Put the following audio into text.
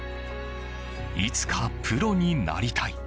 いつかプロになりたい。